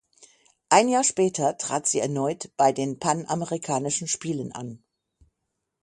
Ein Jahr später trat sie erneut bei den Panamerikanischen Spielen an.